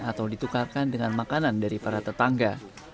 atau ditukarkan dengan makanan dari para tetangga